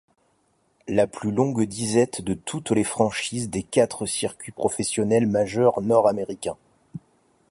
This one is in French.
La plus longue disette de toutes les franchises des quatre circuits professionnels majeurs nord-américains.